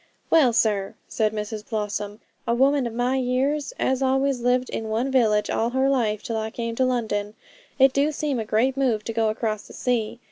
'Well, sir,' said Mrs Blossom, 'a woman of my years, as always lived in one village all her life till I came to London, it do seem a great move to go across the sea.